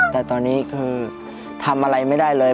แต่ตอนนี้คือทำอะไรไม่ได้เลย